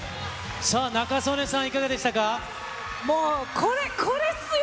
さあ、仲宗根さん、いかがでしたもう、これ、これっすよ。